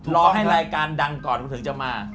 รอให้รายการดังก่อนจะมา